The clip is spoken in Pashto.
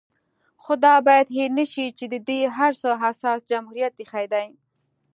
خو دا بايد هېر نشي چې د دې هر څه اساس جمهوريت ايښی دی